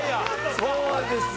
そうですよ！